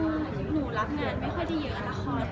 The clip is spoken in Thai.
หนูรับงานไม่ค่อยจะเยอะละคร